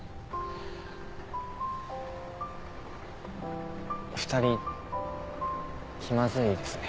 ２人気まずいですね。